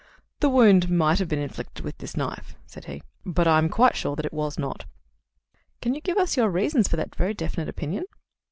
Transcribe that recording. "The wound might have been inflicted with this knife," said he, "but I am quite sure it was not." "Can you give us your reasons for that very definite opinion?"